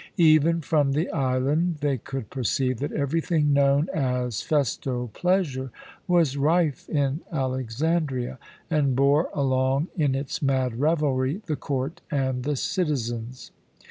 Even from the island they could perceive that everything known as festal pleasure was rife in Alexandria, and bore along in its mad revelry the court and the citizens.